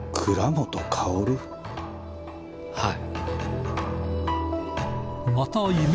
はい。